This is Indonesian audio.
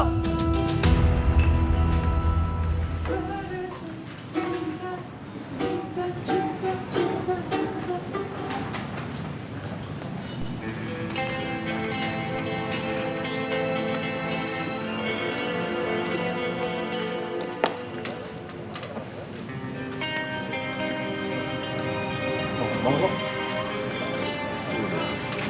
kamu berdua baseball